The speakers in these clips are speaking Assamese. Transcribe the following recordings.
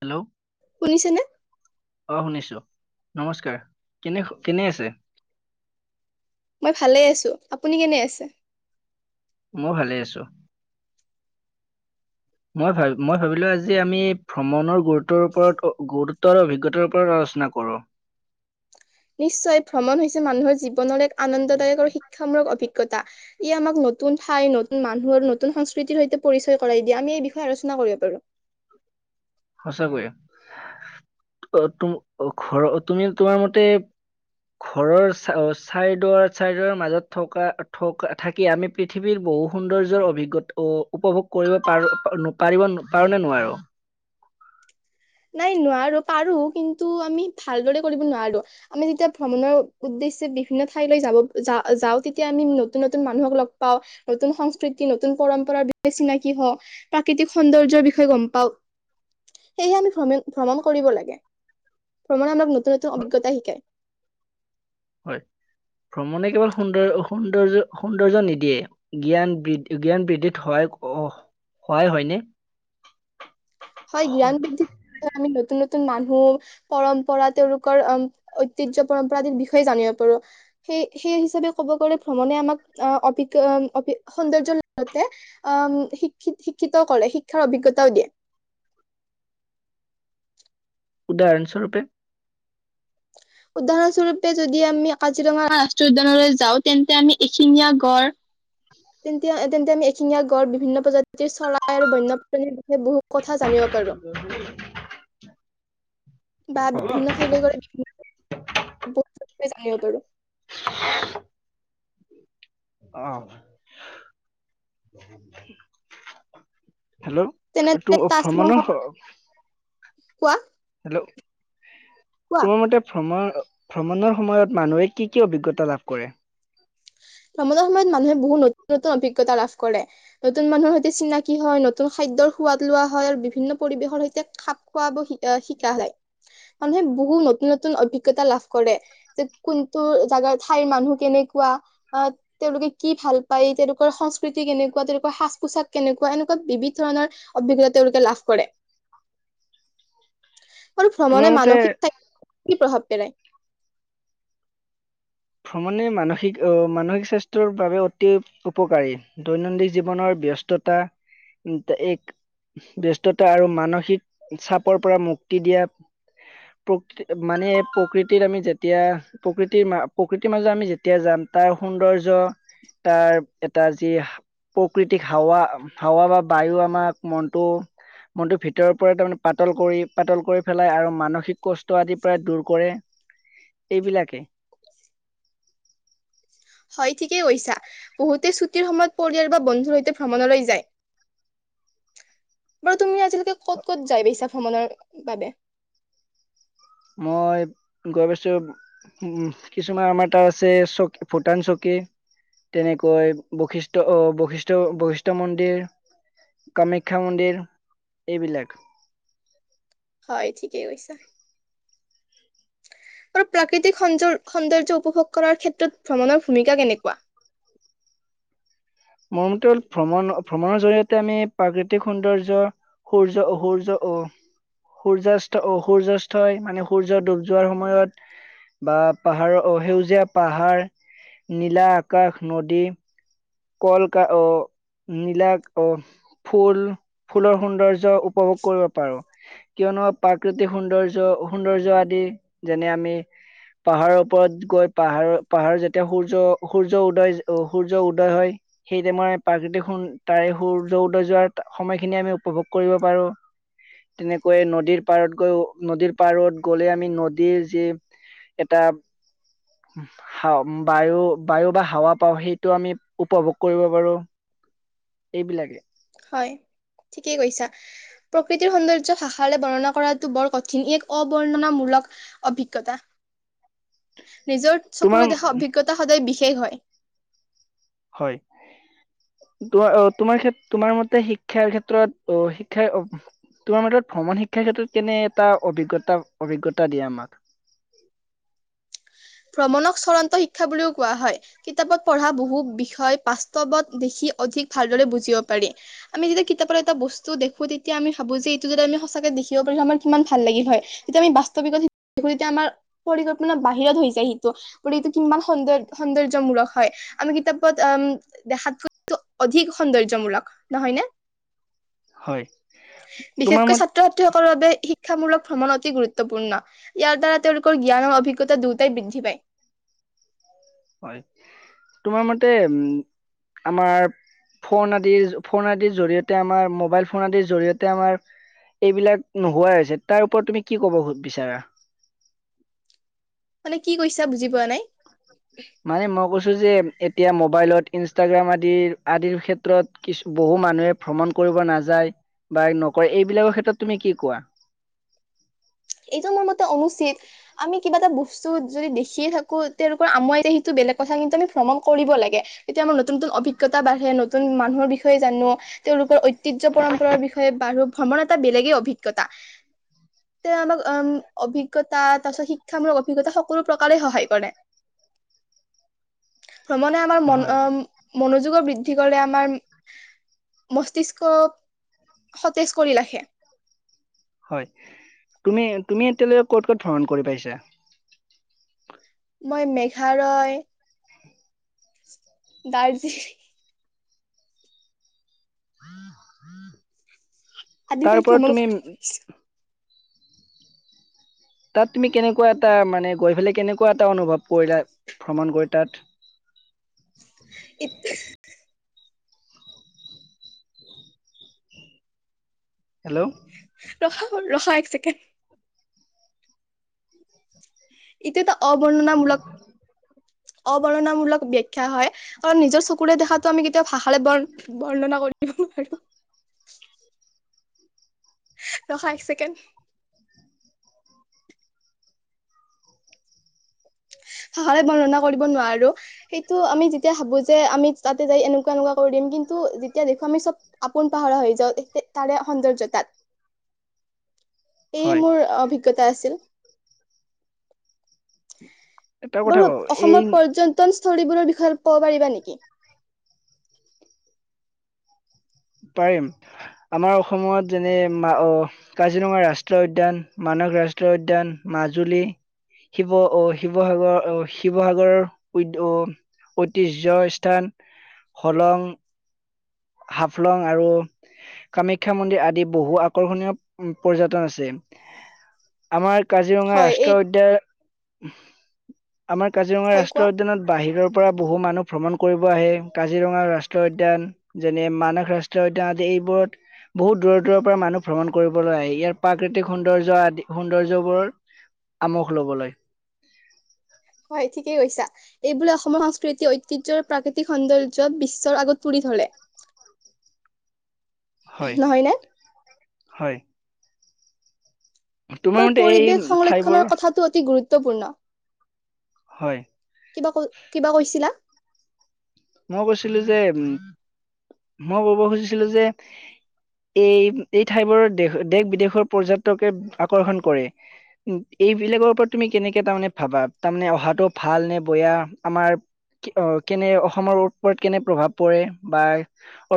হেল্ল'? শুনিছেনে? অ', শুনিছো। নমস্কাৰ কেনে কেনে আছে? মই ভালে আছো। আপুনি কেনে আছে? মইও ভালে আছো। মই ভ মই ভাবিলো আজি আমি ভ্ৰমণৰ গুৰুত্বৰ ওপৰত গুৰুত্ব অভিজ্ঞতাৰ ওপৰত আলোচনা কৰোঁ। নিশ্চয়। ভ্ৰমণ হৈছে মানুহৰ জীৱনৰ এক আনন্দদায়ক আৰু শিক্ষামুলক অভিজ্ঞতা। ই আমাক নতুন ঠাই নতুন মানুহ আৰু নতুন সংস্কৃতিৰ সৈতে পৰিচয় কৰাই দিয়ে। আমি এই বিষয়ে আলোচনা কৰিব পাৰো। সঁচাকৈয়ে। অ' তুম ঘৰ তুমি তোমাৰ মতে ঘৰৰ চ চাইদাৰ চাইদুৱাৰ মাজত থকা থকা থাকি আমি পৃথিৱীৰ বহু সৌন্দৰ্যৰ অভিজ্ঞতা উপভোগ কৰিব পাৰো পাৰিব পাৰো নে নোৱাৰো? নাই নোৱাৰো, পাৰো কিন্তু আমি ভালদৰে কৰিব নোৱাৰো। আমি যেতিয়া ভ্ৰমণৰ উদ্দেশ্যে বিভিন্ন ঠাইলৈ যাব যাওঁ, তেতিয়া আমি নতুন নতুন মানুহক লগ পাওঁ। নতুন সংস্কৃতি নতুন পৰম্পৰাৰ বিষয়ে চিনাকি হওঁ। প্ৰাকৃতিক সৌন্দৰ্যৰ বিষয়ে গ'ম পাওঁ। সেয়েহে আমি ভ্ৰম ভ্ৰমণ কৰিব লাগে, ভ্ৰমণে আমাক নতুন নতুন অভিজ্ঞতা শিকাই। হয়। ভ্ৰমণে কেৱল সুন্দৰ সৌন্দৰ্য সৌন্দৰ্য নিদিয়ে। জ্ঞান জ্ঞান বৃদ্ধিত সহায় সহায় হয়নে? হয়। জ্ঞান বৃদ্ধি আমি নতুন নতুন মানুহ পৰম্পৰা তেওঁলোকৰ অম ঐতিহ্যৰ পৰম্পৰা আদিৰ বিষয়ে জানিব পাৰো। সেই সেই হিচাপে ক'ব গ'লে ভ্ৰমণে আমাক অভি‌ অ সৌন্দৰ্য লগতে অ' শিক্ষিত শিক্ষিত কৰে, শিক্ষাৰ অভিজ্ঞতাও দিয়ে। উদাহৰণস্বৰূপে? উদাহৰণস্বৰূপে যদি আমি কাজিৰঙা ৰাষ্ট্ৰীয় উদ্যানলৈ যাওঁ, তেন্তে আমি কাজিৰঙাৰ এশিঙীয়া গড় তেন্তে য়া তেন্তে আমি এশিঙীয়া গড়, বিভিন্ন প্ৰজাতিৰ চৰাই আৰু বন্যপ্ৰাণীৰ বিষয়ে বহুত কি কছ [unintelligible] বা বিভিন্ন ঠাইলৈ গ'লে বিভিন্ন ধৰনৰ বহুত কথাই জানিব পাৰোঁ। অ' হেল্ল'? টো তেনেদৰে ভ্ৰমণৰ তাজমহল হও কোৱা হেল্ল'? কোৱা তোমাৰ মতে ভ্ৰমণ ভ্ৰমণৰ সময়ত মানুহে কি কি অভিজ্ঞতা লাভ কৰে? ভ্ৰমণৰ সময়ত মানুহে বহু নতুন নতুন অভিজ্ঞতা লাভ কৰে। নতুন মানুহৰ সৈতে চিনাকি হয়, নতুন খাদ্যৰ সোৱাদ লোৱা হয়, আৰু বিভিন্ন পৰিৱেশৰ সৈতে খাপ খুৱাব শিকা যায়। মানুহে বহুত নতুন নতুন অভিজ্ঞতা লাভ কৰে। যে কোনটো জাগাৰ ঠাইৰ মানুহ কেনেকুৱা তেওঁলোকে কি ভাল পায়, তেওঁলোকৰ সংস্কৃতি কেনেকুৱা, তেওঁলোকৰ সাজ পোছাক কেনেকুৱা, এনেকুৱা বিবিধ ধৰণৰ অভিজ্ঞতা তেওঁলোকে লাভ কৰে। [inaudible] আৰু তোমাৰ ভ্ৰমণে মতে মানসিক স্বাস্হ্যত কি প্ৰভাৱ পেলায়? ভ্ৰমণে মানসিক মানসিক স্বাস্থ্যৰ বাবে অতি উপকাৰী। দৈনন্দিন জীৱনৰ ব্যস্ততা, এক ব্যস্ততা আৰু মানসিক চাপৰ পৰা মুক্তি দিয়া মানে প্ৰকৃতিৰ আমি যেতিয়া প্ৰকৃতিৰ মা প্ৰকৃতিৰ মাজত আমি যেতিয়া যাম তাৰ সৌন্দৰ্য তাৰ এটা যি সা প্ৰকৃতিক হাৱা হাৱা বা বায়ু আমাক মনটো মনটো ভিতৰৰ পৰা তাৰমানে পাতল কৰি পাতল কৰি পেলাই আৰু মানসিক কষ্ট আদি প্ৰায় দূৰ কৰে। এইবিলাকে। হয় ঠিকেই কৈছা। বহুতে ছুটিৰ সময়ত পৰিয়াল বা বন্ধুৰ সৈতে ভ্ৰমণলৈ যায়। বাৰু তুমি আজিলৈকে ক'ত ক'ত যায় পাইছা ভ্ৰমণৰ বাবে? মই গৈ পাইছোঁ উম কিছুমান আমাৰ তাত আছে চ'ক ভূটান চকী তেনেকৈ বৈশিষ্ঠ-বৈশিষ্ঠ-বৈশিষ্ঠ মন্দিৰ কামাখ্যা মন্দিৰ এইবিলাক। হয় ঠিকেই কৈছা। আৰু প্ৰাকৃতিক সৌন-সৌন্দৰ্য উপভোগ কৰাৰ ক্ষেত্ৰত ভ্ৰমণৰ ভূমিকা কেনেকুৱা? মোৰম'তে হ'ল ভ্ৰমণ ভ্ৰমণৰ জৰিয়তে আমি প্ৰাকৃতিক সৌন্দৰ্য্য সূৰ্য সূৰ্য অ সূৰ্যয়াস্ত অ' সূৰ্যয়াস্তই মানে সূৰ্য ডুব যোৱাৰ সময়ত বা পাহাৰ অ' সেউজীয়া পাহাৰ, নীলা আকাশ, নদী কলকা অ, নীলা অ ফুল ফুলৰ সৌন্দৰ্য্য উপভোগ কৰিব পাৰো। কিয়নো প্ৰাকৃতিক সৌন্দৰ্য্য সৌন্দৰ্য্য আদি যেনে আমি পাহাৰৰ ওপৰত গৈ পাহাৰ পাহাৰ যেতিয়া সূৰ্য সূৰ্য উদয় সূৰ্য, উদয় হয়, সেইটাইমৰ প্ৰাকৃতিক সোন তাৰে সূৰ্য উদয় যোৱাৰ সময়খিনি আমি উপভোগ কৰিব পাৰো। তেনেকৈ নদীৰ পাৰত গৈ নদীৰ পাৰত গ'লে আমি নদীৰ যি এটা হাও বায়ু বা হাৱা পাওঁ সেইটো আমি উপভোগ কৰিব পাৰোঁ এইবিলাকে। হয় ঠিকেই কৈছা। প্ৰকৃতিৰ সৌন্দৰ্য ভাষাৰে বৰ্ণনা কৰাটো বৰ কঠিন। ই এক অবৰ্ণনামূলক অভিজ্ঞতা। নিজৰ তোমাৰ চকুৰে দেখা অভিজ্ঞতা সদায় বিশেষ হয়। হয়। তোমাৰ অ তোমাৰ ক্ষেত তোমাৰ মতে শিক্ষাৰ ক্ষেত্ৰত অ শিক্ষাৰ অ তোমাৰ মতে ভ্ৰমণ শিক্ষাৰ ক্ষেত্ৰত কেনে এটা অভিজ্ঞতা অভিজ্ঞতা দিয়ে আমাক। ভ্ৰমণক চড়ন্ত শিক্ষা বুলিও কোৱা হয়। কিতাপত পঢ়া বহু বিষয় বাস্তৱত দেখি অধিক ভালদৰে বুজিব পাৰি। আমি যেতিয়া কিতাপৰ এটা বস্তু দেখোঁ তেতিয়া আমি ভাবোঁ যে এইটো যদি আমি সঁচাকে দেখিব পাৰিলো হয় আমাৰ কিমান ভাল লাগিল হয়। যেতিয়া আমি বাস্তৱিকত [unintelligible] আমাৰ পৰিকল্পনা বাহিৰত হৈ এই সিটো এইটো কিমান সৌন্দৰ সৌন্দৰ্য্যমূলক হয় আমি কিতাপত উম দেখাত [unintelligible] অধিক সৌন্দৰ্য্যমূলক নহয় নে? হয় তোমাৰ বিশেষকৈ মত ছাত ছাত্ৰ ছাত্ৰীসকলৰ বাবে শিক্ষামূলক ভ্ৰমণ অতি গুৰুত্বপূৰ্ণ। ইয়াৰ দ্বাৰা তেওঁলোকৰ জ্ঞানৰ অভিজ্ঞতা দু টাই বৃদ্ধি পায়। হয়। তোমাৰ মতে উম আমাৰ ফোন আদিৰ, ফোন আদিৰ জৰিয়তে আমাৰ, মোবাইল ফোন আদিৰ জৰিয়তে আমাৰ এইবিলাক নোহোৱাাই হৈছে, তাৰ ওপৰত তুমি কি ক'ব বিচাৰা? মানে কি কৈছা বুজি পোৱা নাই? মানে মই কৈছোঁ যে এতিয়া মোবাইলত ইনষ্টাগ্ৰাম আদিৰ আদিৰ ক্ষেত্ৰত কিছু বহু মানুহে ভ্ৰমণ কৰিব নাযায় বা নকৰে এইবিলাকৰ ক্ষেত্ৰত তুমি কি কোৱা? এইটো মোৰ মতে অনুচিত। আমি কিবা এটা বস্তু যদি দেখিয়ে থাকোঁ তেওঁলোকৰ আমুৱাই যে সেইটো বেলেগ কথা কিন্তু আমি ভ্ৰমণ কৰিব লাগে। এতিয়া আমাৰ নতুন নতুন অভিজ্ঞতা বাঢ়ে নতুন মানুহৰ বিষয়ে জানোঁ তেওঁলোকৰ ঐত ঐতিহ্য পৰম্পৰাৰ বিষয়ে বাৰু ভ্ৰমণ এটা বেলেগেই অভিজ্ঞতা। তেওঁ আমাক উম অভিজ্ঞতা তাৰপাছত শিক্ষামূলক অভিজ্ঞতা সকলো প্ৰকাৰে সহায় কৰে। [inaudible] ভ্ৰমণে আমাৰ মন হয় অ মনোযোগৰ বৃদ্ধি কৰে আমাৰ মস্তিষ্ক সতেজ কৰি ৰাখে। হয় তুমি তুমি এতিয়ালৈকে ক'ত ক'ত ভ্ৰমণ কৰি পাইছা? মই মেঘালয় দাৰ্জি আদি ঠাইত তাৰপৰা ভ্ৰমণ তুমি কৰি তাত তুমি কেনেকুৱা এটা মানে গৈ পেলাই কেনেকুৱা এটা অনুভৱ কৰিলা ভ্ৰমণ গৈ তাত। ইত হেল্ল', ৰখা ৰখা এক ছেকেণ্ড। ইটো এটা অবৰ্ণনামূলক। অৱৰ্ণনামূলক ব্যাখ্যা হয় কাৰণ নিজৰ চকুৰে দেখাটো আমি কেতিয়াও ভাষাৰে বৰ্ণ বৰ্ণনা কৰি নোৱাৰো। ৰখা এক চেকেণ্ড। হয় বৰ্ণনা কৰিব নোৱাৰোঁ। সেইটো আমি যেতিয়া ভাবোঁ যে আমি তাতে যাই এনেকুৱা এনেকুৱা কৰি দিম কিন্তু যেতিয়া দেখোঁ আমি চব আপোন পাহৰা হৈ যাওঁ তে তাৰে সৌন্দৰ্য তাত। হয়। মোৰ অভিজ্ঞতা আছিল। এটা কথা বাৰু কওঁ এই অসমৰ পৰ্যটন স্থলীবোৰৰ বিষয়ে অলপ ক'ব পাৰিবা নেকি? পাৰিম আমাৰ অসমত যেনে মা--অ কাজিৰঙা ৰাষ্ট্ৰীয় উদ্যান, মানস ৰাষ্ট্ৰীয় উদ্যান, মাজুলী। শিৱ অ শিৱসাগৰ অ শিৱসাগৰৰ উধ্য ঐতিহ্য স্থান হলং হাফলং আৰু কামাখ্যা মন্দিৰ আদি বহু আকৰ্ষণীয় পৰ্যটন আছে। আমাৰ কাজিৰঙা হয় এই ৰাষ্ট্ৰীয় উদ্যান আমাৰ কাজিৰঙা হয় কোৱা ৰাষ্ট্ৰীয় উদ্যানত বাহিৰৰ পৰা পৰা বহু মানুহ ভ্ৰমণ কৰিব আহে কাজিৰঙা ৰাষ্ট্ৰীয় উদ্যান। যেনে মানাহ ৰাষ্ট্ৰীয় উদ্যান আদি এইবোৰত। বহুত দূৰৰ দূৰৰ পৰা মানুহ ভ্ৰমণ কৰিবলৈ আহ ইয়াৰ প্ৰাকৃতিক সৌন্দৰ্য আদি সৌন্দৰ্যবোৰৰ আমোক ল'বলৈ। হয় ঠিকেই কৈছা। এইবোৰে অসমৰ সংস্কৃতি ঐতিহ্য আৰু প্ৰাকৃতিক সৌন্দৰ্যক বিশ্বৰ আগত তুলি ধৰে হয় নহয় ন হয়। তোমাৰ আমাৰ মতে এই পৰিৱেশ সংৰক্ষণৰ ঠাইবোৰ কথাটো অতি গুৰুত্বপূৰ্ণ। হয়। কিবা কৈ কিবা কৈছিলা? মই কৈছিলোঁ যে উম মই কব খুজিছিলোঁ যে এই এই ঠাইবোৰৰ দেশ দেশ বিদেশৰ পৰ্যটকে আকৰ্ষণ কৰে এইবিলাকৰ ওপৰত তুমি কেনেকে তাৰমানে ভাবা তাৰমানে অহাটো ভাল নে বেয়া আমাৰ অ কেনে অসমৰ ওপৰত কেনে প্ৰভাৱ পৰে বা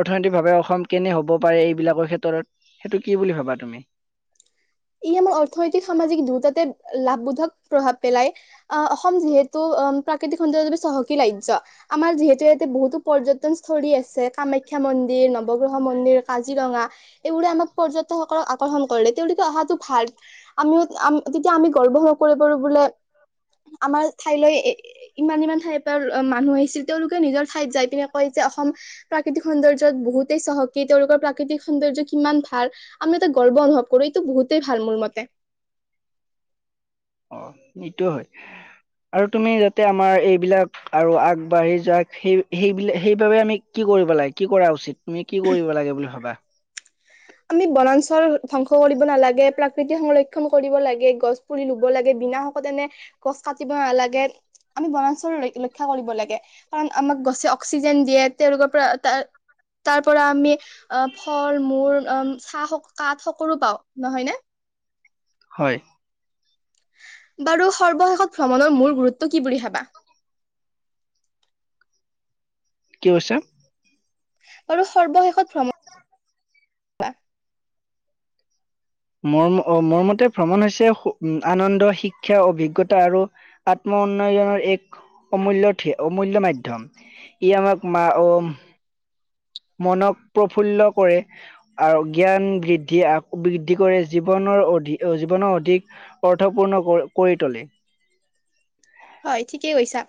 অৰ্থনৈতিকভাৱে অসম কেনে হ'ব পাৰে এইবিলাকৰ ক্ষেত্ৰত সেইটো কি বুলি ভাবা তুমি ই আমাৰ অৰ্থনৈতিক সামাজিক দুয়োটাতে লাভবোধক প্ৰভাৱ পেলায়। আহ অসম যিহেতু প্ৰাকৃতিক সৌন্দৰ্যৰ বাবে চহকী ৰাজ্য আমাৰ যিহেতু ইয়াতে বহুতো পৰ্যটন স্থলী আছে কামাখ্যা মন্দিৰ নৱগ্ৰহ মন্দিৰ কাজিৰঙা এইবোৰে আমাক পৰ্যটক সকলক আকৰ্ষণ কৰে তেওঁলো কে অহাটো ভাল আমিও তেতিয়া আমি গৰ্ব [unintelligible] কৰিব বোলে আমাৰ ঠাইলৈ এ ইমান ইমান ঠাইৰ পৰা মানুহ আহিছিল তেওঁওলোকে নিজৰ ঠাইত যাই পিনে কয় যে অসম প্ৰাক প্ৰাকৃতিক সৌন্দৰ্য্যত বহুতেই চহকী তেওঁলোকৰ প্ৰাকৃতিক সৌন্দৰ্য কিমান ভাল আমি এতিয়া গৰ্ব অনুভৱ কৰো তো বহুতেই ভাল মোৰ মতে অ সেইটোয়ে হয় আৰু তুমি যাতে আমাৰ এইবিলাক আৰু আগবাঢ়ি যাক সেই সেইবিলাক সেইবাবে আমি কি কৰিব লাগে কি কৰা উচিত তুমি কি কৰিব লাগে বুলি ভাবা আমি বনাঞ্চল ধ্বংস কৰিব নালাগে প্ৰাকৃতিক সংৰক্ষণ কৰিব লাগে গছ পুলি ৰুব লব লাগে বিনা শকত এনে গছ কাটিব নালাগে আমি বনাঞ্চল ৰক্ষা কৰিব লাগে কাৰণ আমাক গছে অক্সিজেন দিয়ে তেওঁ লোকৰ পৰা তাৰ পৰা আমি আহ ফল মূল চাহ কাঠ সকলো পাওঁ নহয় নে? হয় বাৰু সৰ্বশেষত ভ্ৰমণৰ মূল গুৰুত্ব কি বুলি ভাবা কি কৈছা বাৰু সৰ্বশেষত ভ্ৰমণ মোৰ মতে ভ্ৰমণ হৈছে আনন্দ শিক্ষা অভিজ্ঞতা আৰু আত্ম উন্নয়নৰ এক অমূল্য অমূল্য মাধ্যম ই আমাক মা উম মনক প্ৰফুল্ল কৰে আৰু জ্ঞান বৃদ্ধি আক বৃদ্ধি কৰে জীৱনৰ অধি জীৱনৰ অধিক অৰ্থপূৰ্ণ কৰি তোলে হয় ঠিকেই কৈছা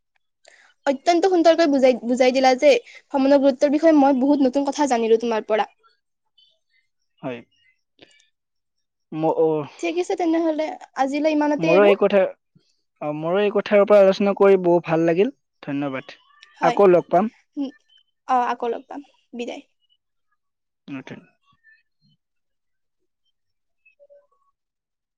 [inaudible] অত্যয়ন্ত সুন্দৰকৈ বুজাই বুজাই দিলা যে ভ্ৰমণৰ গুৰুত্বৰ বিষয় মই বহুত নতুন কথা জানিলো তোমাৰ পৰা। হয়। মোক অ ঠিক আছে তেনেহলে। আজিলৈ ইমান মোৰো এই কথা অ মোৰো এই কথাৰ ওপৰত আলোচনা কৰি বহু ভাল লাগিল ধন্যবাদ। হয় আকৌ লগ পাম অ আকৌ লগ পাম বিদায়। [unintelligible]